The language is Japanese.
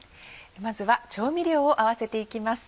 まずは調味料を合わせて行きます。